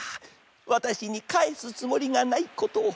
わたしにかえすつもりがないことを。